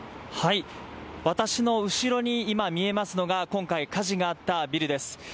私の後ろに今見えますのが今回火事があったビルです。